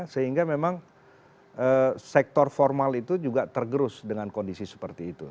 sehingga memang sektor formal itu juga tergerus dengan kondisi seperti itu